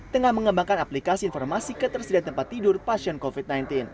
tengah mengembangkan aplikasi informasi ketersediaan tempat tidur pasien covid sembilan belas